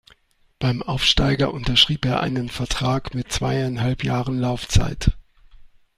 Beim Aufsteiger unterschrieb er einen Vertrag mit zweieinhalb Jahren Laufzeit.